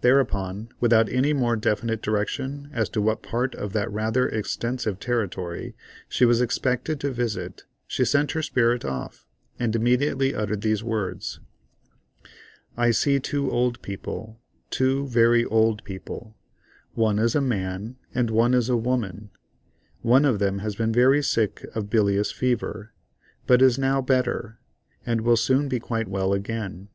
Thereupon, without any more definite direction as to what part of that rather extensive territory she was expected to visit, she sent her spirit off, and immediately uttered these words: "I see two old people, two very old people—one is a man and one is a woman; one of them has been very sick of bilious fever, but is now better, and will soon be quite well again.